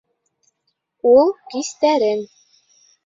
Ул кистәрен.